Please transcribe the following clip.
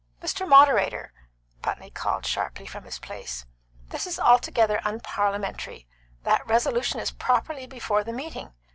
"Mr. Moderator," Putney called sharply, from his place, "this is altogether unparliamentary. That resolution is properly before the meeting.